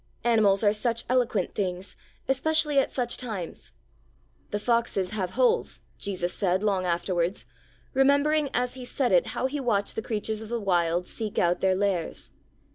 Animals are such eloquent things, especially at such times. 'The foxes have holes,' Jesus said, long afterwards, remembering as He said it how He watched the creatures of the Wild seek out their lairs.